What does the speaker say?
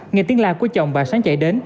nghe tiếng la của chồng bà sáng chạy đến